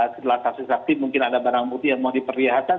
setelah saksi saksi mungkin ada barang bukti yang mau diperlihatkan